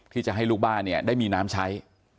ที่จะให้ลูกบ้านได้มีน้ำใช้